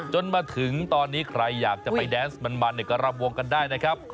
จนมาถึงตอนนี้ใครอยากจะไปแดนส์มันก็รำวงกันได้นะครับ